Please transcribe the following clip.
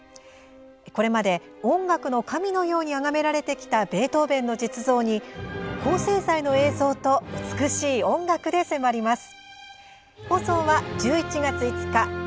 これまで音楽の神のようにあがめられてきたベートーヴェンの実像に高精細の映像と美しい音楽で迫ります。